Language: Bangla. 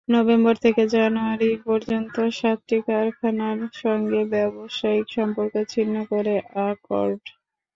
নভেম্বর থেকে জানুয়ারি পর্যন্ত সাতটি কারখানার সঙ্গে ব্যবসায়িক সম্পর্ক ছিন্ন করে অ্যাকর্ড।